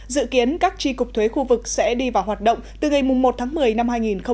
dự kiến các tri cục thuế khu vực sẽ đi vào hoạt động từ ngày một tháng một mươi năm hai nghìn hai mươi